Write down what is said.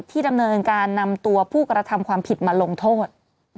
ดำเนินการนำตัวผู้กระทำความผิดมาลงโทษ